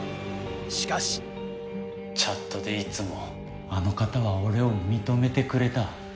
しかしチャットでいつもあの方は俺を認めてくれた。